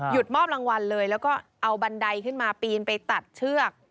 มอบรางวัลเลยแล้วก็เอาบันไดขึ้นมาปีนไปตัดเชือก